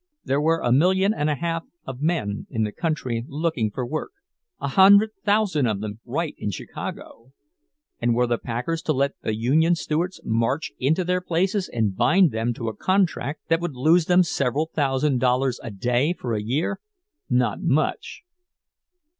There were a million and a half of men in the country looking for work, a hundred thousand of them right in Chicago; and were the packers to let the union stewards march into their places and bind them to a contract that would lose them several thousand dollars a day for a year? Not much!